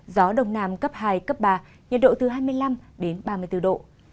gió đông nam cấp hai cấp ba nhiệt độ từ hai mươi năm đến ba mươi bốn độ